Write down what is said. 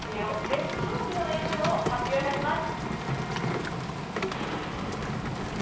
絶頂期の年収を発表いたします。